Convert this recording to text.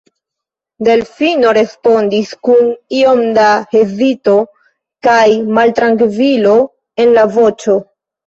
Delfino respondis kun iom da hezito kaj maltrankvilo en la voĉo.